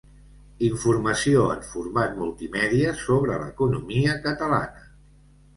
Informació en format multimèdia sobre l'economia catalana.